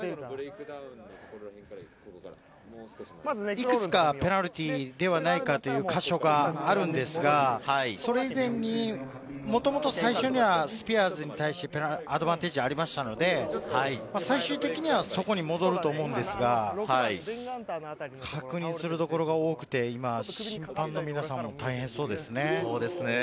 いくつかペナルティーではないかというか所があるのですが、それ以前にもともと最初はスピアーズに対してアドバンテージがありましたので、最終的にはそこに戻ると思うのですが、確認するところが多くて、審判の皆さんも大変そうですね。